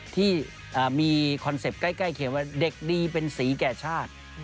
ที่มีคอนเซ็ปต์ใกล้เคียงว่าเด็กดีเป็นสีแก่ชาติ